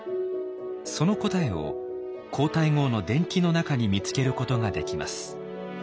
その答えを皇太后の伝記の中に見つけることができます。